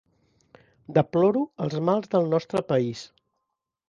Deploro els mals del nostre país.